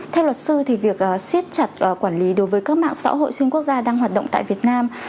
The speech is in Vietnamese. theo luật sư thì việc siết chặt quản lý đối với các mạng xã hội xuyên quốc gia đang hoạt động tại việt nam